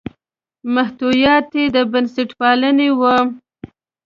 محتویات یې د بنسټپالنې وو.